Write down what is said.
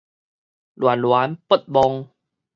戀戀不忘